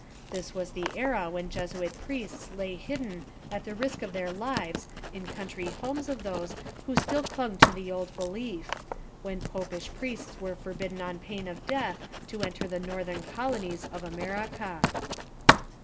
This was the era 299 Essays and Literary Studies when Jesuit priests lay hidden at the risk of their lives in country homes of those who still clung to the old belief, when popish priests were forbidden on pain of death to enter the northern colonies in America.